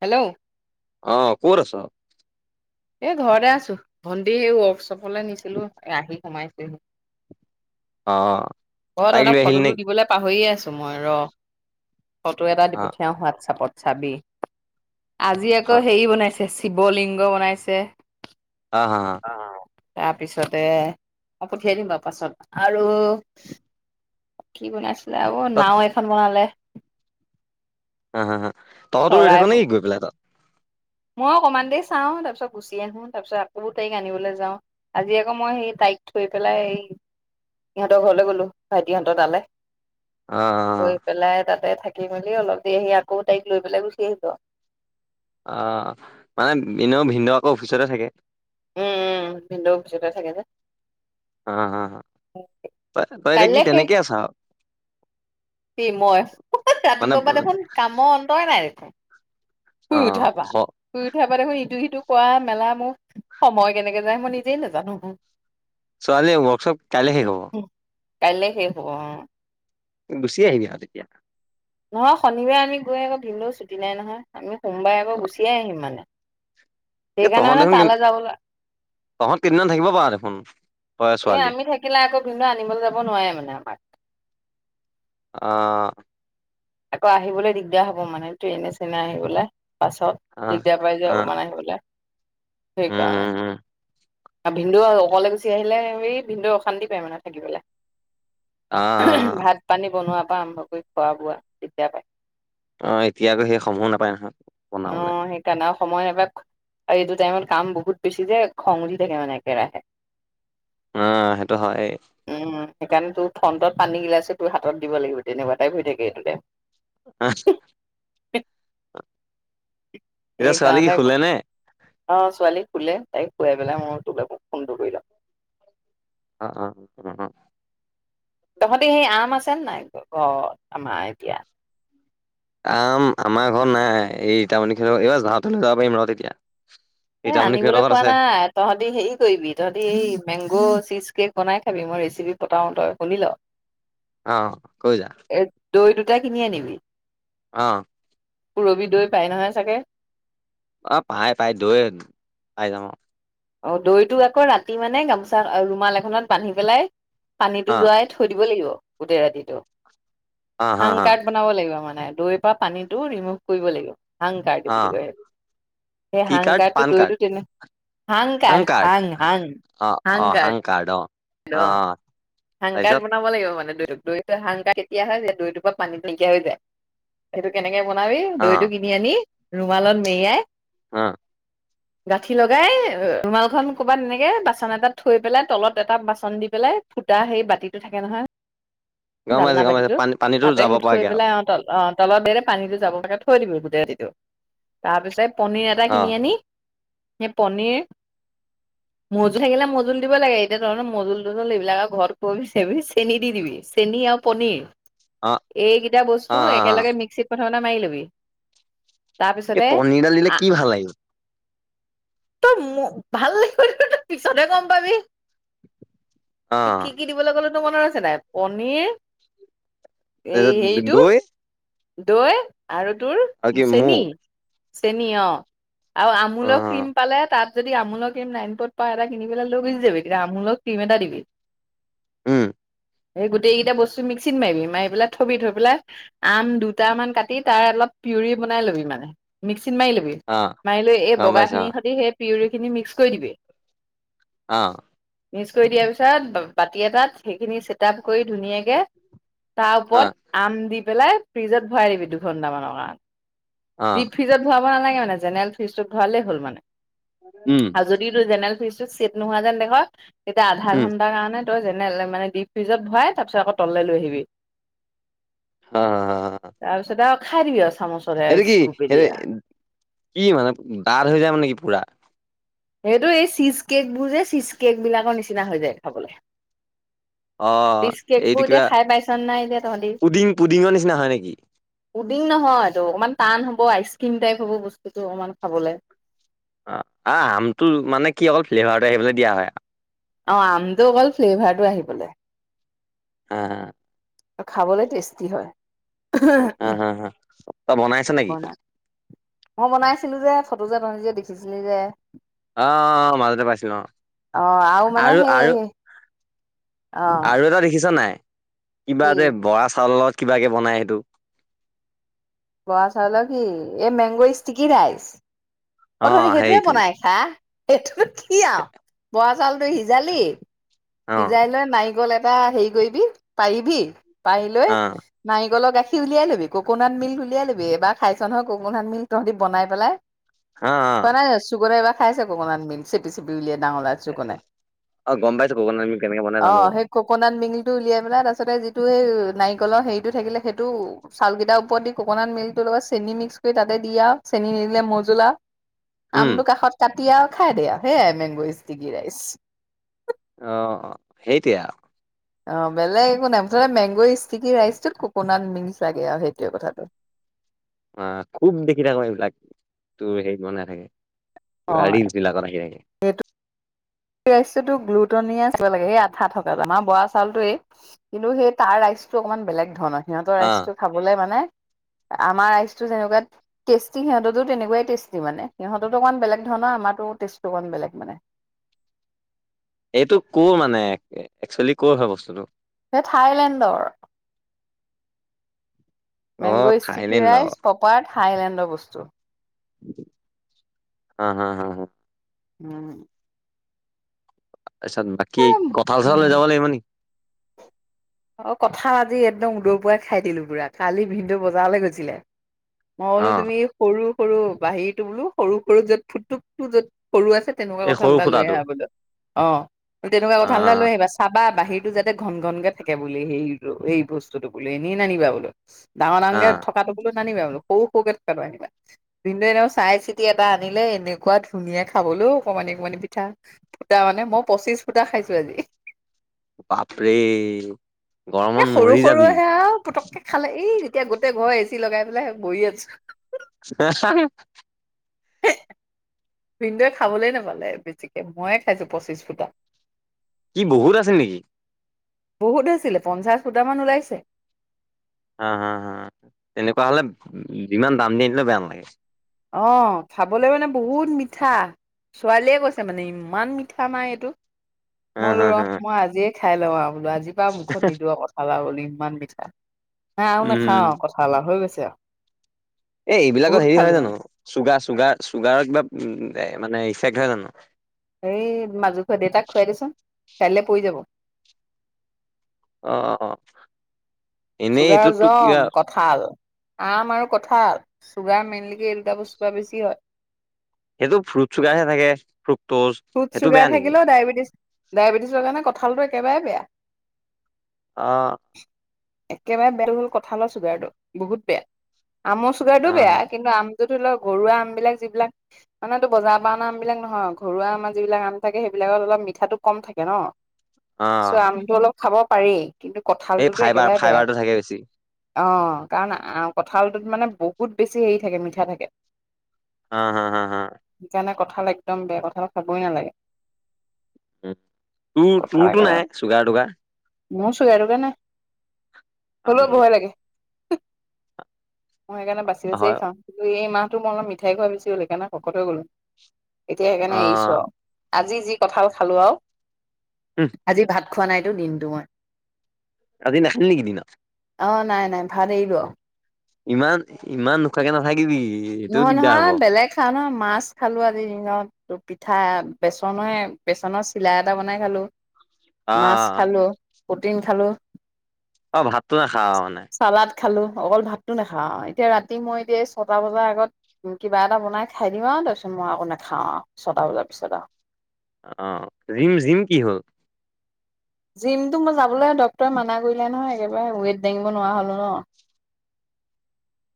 Hello! অ', ক'ত আছ? এই ঘৰতে আছোঁ, ভন্টি ৱৰ্কশ্বপলৈ নিছিলোঁ, আহি সোমাইছোহি। অ অ', তাইক তহতঁক লৈ আহিলি ফটোটো নেকি দিবলৈ পাহৰি আ চো, মই ৰ' ফটো এটা দি অ পঠিয়াও হোৱাটছপত, চাবি। আজি অ আকৌ হেৰি বনাইছে, শিৱ লিংগ বনাইছে। হা, হা, হা। তাৰপিছতে ম, পঠিয়াই দিম বাৰু পাছত, আৰু। কি বনাইছিলে আৰু, তত নাওঁ এখন বনালে। হা, হা, হা, তহঁতো ৰৈ চৰাই থাক নেকি গৈ পেলাই তাত? মই অকণমান দেৰি চাওঁ, তাৰপিছত গুচি আহোঁ, তাৰপিছত আকৌ তাইক আনিবলৈ যাওঁ, আজি আকৌ মই সেই তা তাইক থৈ পেলাই সিহঁতৰ ঘৰলৈ গ'লো, ভাইটিহঁতৰ তালে। অ গৈ পেলাই তাতে থাক থাকি মেলি অলপ দেৰি আহি আকৌ তাইক লৈ পেলাই গুচি আহিব। অ', মানে এনেয়ো ভিনদেউ আকৌ অফিচতে থাকে। উম, উম, ভিনদেউ অফিচতে থাকে যে। হা, হা, তই, তই এতিয়া কাইলে কি শেষ তেনেকে আছ? কি মই? মানে ৰাতিপুৱাৰ পৰা দেখোন কামৰ অন্তই নাই দেখোন। অ শুই উঠাপা, ঘ শুই উঠাপা দেখোন ইটো সিটো খোৱা মেলা মোৰ সময় কেনেকে যায়। মই নিজেই নাজানোঁ। ছোৱালী ৱৰ্কশ্বপ কাইলৈ শেষ হ'ব। কাইলে শেষ হ'ব অ'। তুমি গুচি আহিবি তেতিয়া। নহয়, শনিবাৰে আমি গৈ আকৌ ভিন্দ দেওঁৰ ছুটি নাই নহয়, আমি সোমবাৰে আকৌ গুচিয়ে আহিম মানে। এই সেইকাৰণে মানে তহঁতে দে তালৈ যাবলৈ তোহঁত কেইদিনমান থাকিব পাৰোঁ দেখোন। তই এই ছোৱালী আমি থাকিলে আকৌ ভিন্দে আনিবলৈ যাব নোৱাৰে মানে আমাক। আহ আকৌ আহিবলৈ দিগদাৰ হ'ব মানে ট্ৰেইনে চেৰেনে আহিবলৈ। অ পাছত দিগদাৰ পাই অ যাব মানে আহিবলৈ উম সেইকাৰণে। উম উম আৰু ভিন্দু অকলে গুচি আহিলে হেৰি ভিন্দৱে অশান্তি পায় মানে থাকি অ অ বোলে। ভাত পানী বনোৱাৰ পৰা আৰম্ভ কৰি খোৱা বোৱা দিগদাৰ পায়। অ' এতিয়া আকৌ সেই সময়ো নাপায় নহয়। অ' বনাবলে হেইকাৰণে অশ সময় নাপায় আৰু এইটো টাইমত কাম বহুত বেছি যে খং উঠ থাকে মানে একেৰাহে। অহ' হেইটো হয়। উম সেইকাৰণে তোৰ ফ্ৰণ্টত পানীগিলাছে তোৰ হাতত দিব লাগিব তেনেকুৱা টাই শুই থাকে এইটোতেই। আহহ এক এতিয়া ছোৱালী কি শুলে নে? অ' ছোৱালীক শুলে তাইক শুৱাই পেলাই মই তোলে ফোনটো কৰিলো। অঁ অঁ। তোহঁতে সেই আম আছেনে নাই ঘৰত আমাৰ এতিয়া আম আমাৰ ঘৰত নাই এই ইটামণি এইবাৰ যাওঁতে লৈ যাব পাৰিম ৰ তেতিয়া এ' ৰীতামণি খুৰীহঁতৰ আনিবলৈ ঘৰত কোৱা আছে নাই তোহঁতি হেৰি কৰিবি তোহঁতে এই মেংগ চিজ কেক বনাই খাবি মই ৰেচিপি পথাও তই শুনি ল। অ কৈ যা, এ দৈ দুটা কিনি আনিবি। অঁ পুৰবি দৈ পায় নহয় চাগে, অ পাই পাই দৈ পাই যাম অহ, অ দৈটো আকৌ ৰাতি মানে গামোচা ৰুমাল এখনত বান্ধি পেলাই পানীটো অ', যোৱাই থৈ দিব লাগিব, গোটেই ৰাতিটো অ', হা হাং হা কাৰ্ড বনাব লাগিব মানে। দৈৰ পৰা পানীটো ৰিমুভ কৰিব লাগিব। হাংকাৰ্ড বুলি অ', কয় সেইটো, সেই কি হাং কাৰ্ড কাৰ্ডটো পান দৈতটো কাৰ্ড তেনে হাং কাৰ হাং হাং হাং কাৰ অঁ হাংকাট বনাব লাগিব মানে দৈ- দৈতো হংকাৰ কেতিয়া হয় যে দৈটোৰ পৰা পানীত নাইকা হৈ যায় সেইটো কেনেকে বনাবি দৈটো অ', কিনি আনি ৰুমালত মেৰিয়াই হা, গাঁঠি লগাই ৰুমালখন কৰ'বাত এনেকে বাচন এটা থৈ পেলাই তলত এটা বাচন দি পেলাই, ফুটা সেই বাতিটো থাকে নহয় গম জালনা পাইছোঁ গম পাইছোঁ বাতিতো, পানী পানীতো তাতে যাব সেইটো কৰি পৰাকে আৰু পেলাই অ তলত ব পানীটো যাব লাগে থৈ দিবি গোটেই ৰাতিটো, তাৰ পিছত পনীৰ এটা কিনি অ', আনি সেই পনীৰ মজুল থাকিলে মজুল দিব লাগে এতিয়া ধৰণৰ মজুল তজুল এইবিলাক আৰু ঘৰত কবি চনি চেনি দি দিবি, চেনি আৰু পনীৰ অ', এই কিতা বস্তু অ', অ', অ', একেলগে মিঃচি মৰণা মাৰি লবি এই তাৰপিছতে পনীৰডাল দিলে কি ভাল লাগিব তো, ভাল লাগিবনে [unintelligible] পিছতহে গম পাবি। তোক অ', কি, কি দিবলৈ ক'লো তোৰ মনত আছে নাই? পনীৰ তাৰপিছত দৈ দৈ আৰু তোৰ আৰু কি চেনি, মৌ চেনি অ'। আৰু আমোলৰ অ', ক্ৰীম পালে তাত যদি আমোলৰ ক্ৰীম [unintelligible] এটা কিনি পেলাই লৈ গুচি যাবি, তেতিয়া আমোলৰ ক্ৰীম এটা দিবি। উম, এই গোটেইকেইটা বস্তু মিক্সিত মাৰিবি, মাৰি পেলাই থ'বি থৈ পেলাই আম দুটামান কাটি তাৰ অলপ পিউৰি বনাই ল'বি মানে মিক্স মাৰি ল'বি অ', মাৰি লৈ এই গম পাইছোঁ অ'। বগাখিনিৰসতি সেই পিউৰিখিনি মিক্স কৰি দিবি। অ মিক্স কৰি দিয়াৰ পিছত ব-বাতি এটাত সেইখিনি চেটাপ কৰি ধুনীয়াকে তাৰ অ ওপৰত আম দি পেলাই ফ্ৰিজত ভৰাই দিবি দুঘন্টা মানৰ কা অ ডিপ ফ্ৰীজত ভৰাব নালাগে মানে, জেনেৰেল ফ্ৰীজটোত ভৰালেই হ'ল মানে উম আৰু যদি তোৰ জেনেৰেল ফ্ৰিজটো চেট নোহোৱা যেন দেখ, তেতিয়া আধা উম ঘন্টাৰ কাৰণে তই যেনে মানে ডিপ ফ্ৰিজত ভৰাই তাৰপিছত আকৌ তললে লৈ আহিবি। অ তাৰপিছত আৰু খাই দিবি আৰু। চামুচতে সেইটো কি? সেইটো স্কুপেদিয়া। কি মানে ডাঠ হৈ যাব নেকি পুৰা? সেইটো এই চীজ কেকবোৰ যে, চীজ কেকবিলাকৰ নিচিনা হৈ যায় খাবলে। অ চিজ এইটো কেকবোৰ এতিয়া কিবা খাই পাইছনে নাই এতিয়া তহঁতি? পুডিং পুডিঙৰ নিচিনা হয় নেকি উদিং নহয় এইটো অকণমান টান হ'ব আইচক্ৰীম টাইপ হ'ব বস্তুটোতো অকমান খাবলে। আ-আমটো মানে কি অলপ ফ্লেভাৰত আহিবলৈ দিয়া হয়। অ আমটো অকল ফ্লেভাৰটো আহিবলৈ। অহ আৰু খাবলৈ টেষ্টি হা হয়। হা হা। তই বনাইছ নেকি মই বনাইছিলো যে, ফটো যে তহঁতি যে দেখিছিলি যে। অ মাজতে পাইছিলো অ। অ মানে আৰু, সেই আৰু অ আৰু এটা দেখিছা নাই? কিবা কি যে বৰা চাউলত কিবাকে বনাই সেইটো? বৰা চাউলৰ কি, এই মেংগৰ ষ্টিকি ৰাইচ? অ [unintelligible] সেইটোয়ে বনাই খা। এইটো কি আৰু বৰা চাউলটো সিজালি অ সিজাই লৈ নাৰিকল এটা হেৰি কৰিবি, পাৰিবি পাৰি লৈ অ নাৰিকলক গাখি উলিয়াই লবি, কক'নাট মিলক উলিয়াই ল'বি, এবাৰ খাইছ নহয় কক'নাট মিল তহঁতি বনাই পেলাই অ অ পোৱা নাই [unintelligible] খাইছে ককণত মিল্ক চেপি চেপি উলিয়াই। অ গম পাইছো ককনাট মিল্ক কেনেকে বনাই [inaudible] অ জানো বাৰু সেই ককনাট, টো উলিয়াই পেলাই, তাৰিছতে যিটো সেই নাৰিকলৰ হেৰিটো থাকিলে সেইটো চাউকেইটাৰ ওপৰত দি ককনাট মিলটো ত চেনি মিক্স কৰি তাতে দিয়া, চেনি নিদিলে মজলা উম আমটো কাষত কাটি আৰু খাই দে আৰু, সেয়াই মেংগ স্তিকি ৰাইচ। অ সেইটোৱে আৰু। অ বেলেগ একো নাই মুতে মেংগ ষ্টিকি ৰাইচটোত ককোনাট মিক্স লাগে আৰু সেইটোৱে কথাটো [unintelligible] অ খুব দেখি থাকো এইবিলাক, তোৰ হেইৰিত মন থাকে অ ৰিলছ বিলাকত আহি থাকে। স ৰাইচ গ্লুটনিয় থাকিব লাগে। সেই আঠা থকা। আমাৰ বৰা চাউ টোৱেই, কিন্তু সেই তাৰ ৰাই অকমান বেলেগ ধৰণৰ। সিহতৰ অ ৰাইটো খাবলে মানে আমাৰ ৰাইচতটো যেনেকুৱাত টেষ্টি, সিহঁতৰ তেনেকুৱাই টেষ্টি মানে, সিহঁতৰটো অকমান বেলেগ ধৰণৰ। আমাৰো টেষ্টটো অকমান বেলেগ মানে। এইটো কৰোৰ মানে, একচুৱেলি কৰ হয় বস্তুটো? সেই থাইলেণ্ডৰ। অ মেংগ' ষ্টিকি থাইলেণ্ড অ ৰাইচ, পপাৰ্ড হাইলেণ্ডৰ বস্তু। হা! হা! হা! উম তাৰপিছত বাকী কঁঠাল চঠাল লৈ যাব লাগিব নি অ কথা আজি একদম উদৰ পাই খাই দিলো পুৰা। কালি ভিনদেও বজাৰলৈ গৈছিলে। মই অ বোলো তুমি সৰু সৰু বাহীতটো বোলো সৰু সৰু য'ত ফুটুকটো য'ত সৰু আছে তেনেকুৱা এই কঠাল সৰু এটা লৈ ফুটাটো আহা গৈ যোৱা। অ তেনেকুৱা অ অ কঠালটা লৈ আহিবা চাবা বাহিৰ এইটো যাতে ঘন ঘন কে থাকে বুলি, সেই এই বস্তুটো বোলে এনেই নানিবা বোলো। ডাঙৰ অ ডাঙৰকে থকাতটো বুলোঁ নানিবা বোলোঁ। সৰু, সৰুকে থকা আনিবা। ভীনদেও অনেও চাই চিতি এটা আনিলে এনেকুৱা ধুনীয়া খাবলৈও অকণমান এনে মানে পিঠা ফুটা মানে, মই পঁচিশ ফুটা খাইছো আজি। বাপৰে! গৰমত মৰি যাবি। পুটককে খালে এই এতিয়া গোটেই ঘৰ এচি লগাই পেলাই বহি আছো। [unintelligible] [unintelligible] ভীনদেও খাবলৈ নাপালে বেছিকে, ময়ে খাইছো পঁচিশ ফুটা। কি বহুত আছে নেকি? বহুত আছিলে। পঞ্চাশ সূটামান ওলাইছে। হা হা হা তেনেকুৱা হলে যিমান দাম দি দিলে বেয়া নালাগে। অ খাবলৈ মানে বহুত মিঠা। ছোৱালীয়ে কৈছে মানে ইমান মিঠা মা এইটো হা মইলো হা ৰহ, হা মই আজিয়ে খাই লওঁ আও বোলো, আজিৰ পৰা আও মুখত নিদো আও [unintelligible] বুলি। ইমান মিঠা। হা আও নাখাওঁ উম আও কঠাল আও, হৈ গৈছে আও। এ এইবিলাকত হেৰি হয় জানো? চুগা-চুগাৰ-চুগাৰৰ কিবা এ মানে ইফেক্ট হয় জানো? কাইলৈ পই যাব। অ', অ'। এনেই চুগাৰ এইটোতো কিবা জম, কঠাল। আম আৰু কঁঠাল চুগাৰ মেইনলিকে এই দুটা বস্তু পা বেছি হয়। সেইটো ফ্ৰুট চুগাৰহে থাকে। ফ্ৰু ফ্ৰুট ছুগাৰ থাকিলেও ডায়েবেটিছ-ডায়েবেটিছৰ কাৰণে কঁঠালটো একেবাৰে বেয়া। অ'। একেবাৰে বেয়া [unintelligible] হ'ল কঠালৰ চুগাৰটো, বহুত বেয়া। আমৰ চুগাৰটো বেয়া, অ', কিন্তু আম তো ধৰি লওক, ঘৰুৱা আম বিলাক যিবিলাক মানেতো বজাৰ পৰা অনা আম বিলাক নহয়, ঘ ঘৰুৱা আমাৰ যিবিলাক আম থাকে, সেইবিলাকত অলপ মিঠাটো কম থাকে ন। অ', চ' আমটো অলপ খাব পাৰি। কিন্তু এই কঁঠালটোতো ফাইবাৰ একেবাৰে বেয়া। ফাইবাৰটো থাকে বেছি অ', কাৰণ আ-কঁঠালটোত মানে বহুত বেছি হেৰি থাকে মিঠা থাকে। হা, হা, হা, হা। কঠাল একদম বেয়া। কঠালক খাবই নেলাগে। উম, তোৰ-তোৰতো একেবাৰে নাই চুগাৰ-তুগাৰ? মোৰ চুগাৰ-তুগাৰ নাই, হ'লেও বহয় লাগে। মই সেইকাৰণে বাচি-বাচিয়ে হয় খাও। কিন্তু এই মাহটো মই অলপ মিঠাই খোৱা বেচি হ'ল, সেইকাৰণে শকত হৈ গ'লো। এতিয়া সেইকাৰণে এৰিছো অ', আও। আজি যি কঁঠাল খালো আও, উম, আজি ভাত খোৱা নাইতো দিনটো মই। আজি নাখালি নেকি দিনত? অ', নাই, নাই, ভাত এৰিলো আও। ইমান, ইমান নখোৱাকে নাথাকিবি। এইটোও নহয়, দিগদাৰ হ'ব নহয়। অ', বেলেগ খাও নহয়, মাছ খালো আজি দিনত। পিঠা, বাচনৰে, বেচনৰ চিলা এটা বনাই খালো, মাছ অ', খালো। প্ৰটিন খালো। অ', ভাতটো নাখাঅঁ মানে? চালাড খালো। অকল ভাতটো নাখাওঁ আও। এতিয়া ৰাতি মই এতিয়া ছটা বজা আ ত কিবা এটা বনাই খাই দিম আৰু। তাৰপিছত মই আকৌ নাখাওঁ আও, ছটা বজাৰ পিছত আৰু অ', জিম, জিম কি হ'ল? জিমটো মই যাবলৈ ডক্তৰৰে মানা কৰিলে নহয়। একেবাৰে ৱেইট দাঙিব নোৱাৰা হ'লো ন।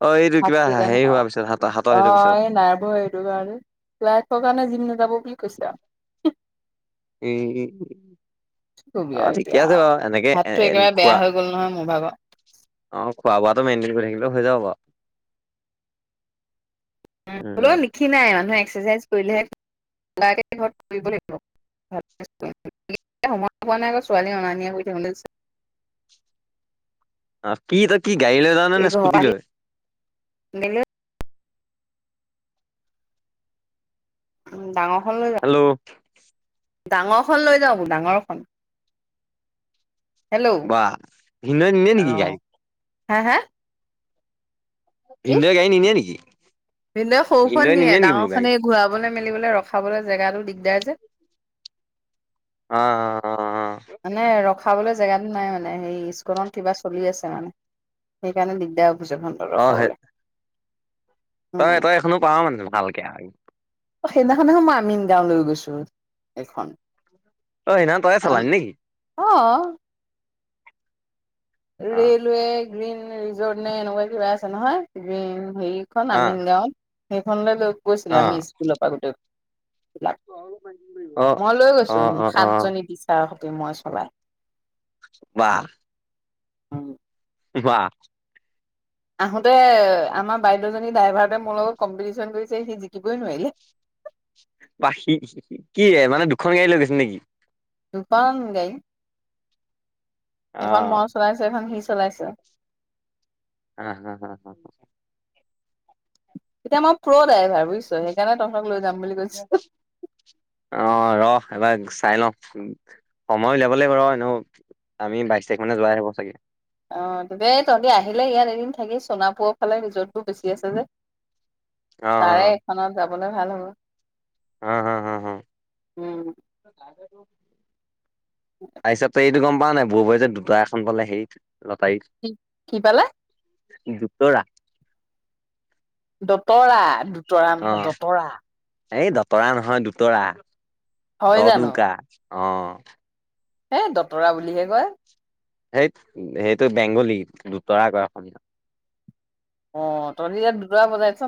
অ', এইটো হাক কিবা দিলে হেৰি নহয়। হোৱাৰ পিছত হাত হাতৰ সেইটো অ', পিছত এ নাৰ্ভৰ হেটো কাৰণে তোৰ কাৰণে জিম নাযাব বুলি কৈছে আও। এই কি কবি অ', আৰু ঠিকে এতিয়া আছে বাৰু। এনেকে-এ হাতটো একেবাৰে বেয়া খোৱা। হৈ গ'ল নহয় মোৰ ভাগৰ অ'। খোৱা-বোৱাটো মেইনটেইন কৰি থাকিলে হৈ যাব বাৰু। হ'লেও উম, নিক্ষিনাই মানুহে এক্সাৰচাইজ কৰিলেহে [unintelligible] কৰিব লাগিব। [unintelligible] সময় পোৱা নাই আকৌ ছোৱালী অনা-নিয়া কৰি থাকোতে গৈছে। [inaudible] অ', কি তই কি গাড়ী লৈ যাৱনে নে স্কুটি আহি লৈ? মেলি উম, ডাঙৰ হেল্ল'। ডাঙৰখন লৈ যাওঁ, ডাঙৰখন। হেল্ল' বাহঃ, ভিনদেউ নিনিয়ে নেকি অ গাড়ী? হা, হা? কি ভিনদৈ গাড়ী নেনিয়ে নেকি? ভিনদেউ সৰুখন ভিনদেউৱে নিয়ে, নিনিয়ে নেকি বোলো ডাঙৰ গাড়ী? খন এ ঘূৰাবলৈ মেলিবলৈ ৰখাবলৈ জেগাটো দিগদাৰ যে। অ' অ' অ'। মানে ৰখাবলৈ জেগাটো নাই মানে হেৰি স্কিলন কিবা চলি আছে মানে সেইকাৰণে দিগদাৰ অভিযোগ অ', অ', সেই ৰখাবলৈ। তই উম তই এখনো পাও মানে ভালকে আৰু। সেইদিনাখননে মই আমিনগাঁও লৈ গৈছো, এইখন ঐ না তইয়ে চলালি নেকি? অ' অ', ৰেলৱে গ্ৰীণ ৰিজৰ্ট নে এনেকুৱা কিবা আছে নহয় গ্ৰীণ হেৰিখন অ', আমিনগাঁৱত সেইখনলৈ লৈ গৈছিলো আমি অ'। স্কুলৰ পৰা গোতে বিলাক, অ', মই লৈ গৈছো অ', অ', অ', সাতজনী টিচাৰ হকে মই চলাই। বাহ। উম। বাহ। আহোতে আমাৰ বাইদউজনী ড্ৰাইভাৰ মোৰ লগত কম্পিটিশন কৰিছে সি জিকিবই নোৱাৰিলে। পাখি কি মানে দুখন গাড়ী লৈ গৈছিলি নেকি? দুখন গাড়ী এখন অ', মই চলাইছো এখন সি চলাইছে। হা হা হা। এতিয়া মই প্ৰ ড্ৰাইভাৰ বুজিছ সেইকাৰণে তহঁতক লৈ যাম বুলি কৈছোঁ। অ' ৰহ এবাৰ চাই লওঁ, সময় উলিয়াব লাগিবৰ এনে আমি বাইশ তাৰিখ মানে যোৱাই হ'ব চাগে। অ', দে তহঁতি আহিলে ইয়াত এদিন থাকি সোণাপুৰৰ ফালে ৰিজটবোৰ বেছি আছে যে। অ', তাৰে এখনত যাবলৈ ভাল হ'ব। হা হা হা হা। উম। তাৰপিছত তই এইটো গম পা নে নাই ভোৰভোৰাই যে পালে হেৰিত। কি কি পালে? দুতৰা‌। দতৰা দুতৰা অ নহয় দতৰা। এই দতৰা নহয়, দুতৰা হয় 'দ'ত 'ও' কাৰ, অ'। হে দতৰা বুলিহে কয়। সেই সেইটো বেংগলী দুতৰা কয় অসমীয়াত। অ' ত ইয়াত দুতৰা বুজাই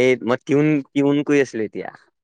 এই মই টিউন টিউন কৰি আছিলোঁ এতিয়া।